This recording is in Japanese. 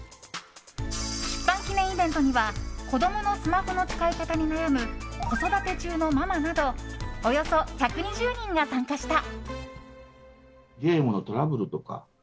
出版記念イベントには子供のスマホの使い方に悩む子育て中のママなどおよそ１２０人が参加した。